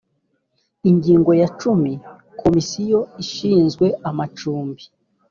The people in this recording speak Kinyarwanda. ingingo ya cumi komisiyo ishinzwe amacumbi